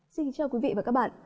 xin chào quý vị và các bạn